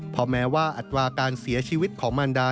เพราะแม้ว่าอัตราการเสียชีวิตของมารดา